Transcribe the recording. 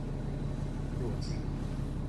弱智？